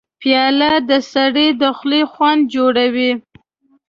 پیاله د سړي د خولې خوند جوړوي.